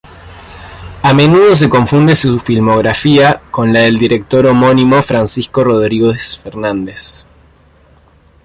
A menudo se confunde su filmografía con la del director homónimo Francisco Rodríguez Fernández.